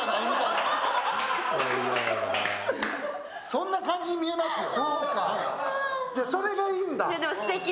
そんな感じに見えますよ。